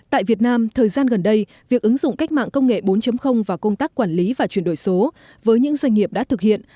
tại việt nam thời gian gần đây việc ứng dụng cách mạng công nghệ bốn vào công tác quản lý và chuyển đổi số với những doanh nghiệp đã thực hiện